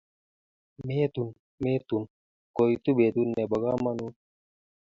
Metun, metun , koitu betut ne bo komonut.